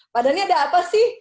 pak dhani ada apa sih